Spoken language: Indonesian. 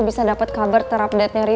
paturno tuh kadang draw yang ada di